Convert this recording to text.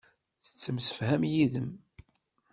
Tettemsefham yid-m.